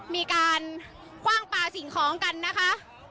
มีการคว่างปลาสิ่งของกันนะคะ